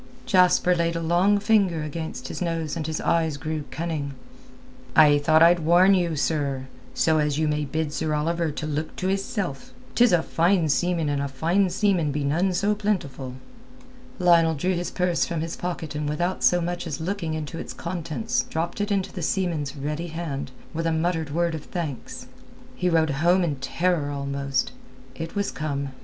Jasper laid a long finger against his nose and his eyes grew cunning. "I thought I'd warn you, sir, so as you may bid Sir Oliver look to hisself. 'Tis a fine seaman and fine seamen be none so plentiful." Lionel drew his purse from his pocket and without so much as looking into its contents dropped it into the seaman's ready hand, with a muttered word of thanks. He rode home in terror almost. It was come.